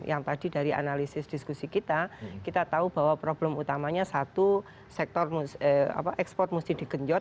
yang tadi dari analisis diskusi kita kita tahu bahwa problem utamanya satu sektor ekspor mesti digenjot